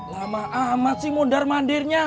lama amat sih mondar mandirnya